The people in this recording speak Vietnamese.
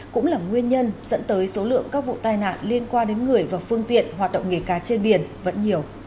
cũng là nguyên nhân dẫn tới số lượng các vụ tai nạn liên quan đến người và phương tiện hoạt động nghề cá trên biển vẫn nhiều